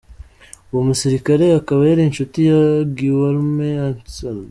Uwo musirikare akaba yari inshuti ya Guillaume Ancel.